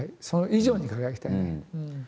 それ以上に輝きたいね。